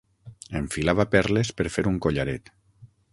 Enfilava perles per fer un collaret.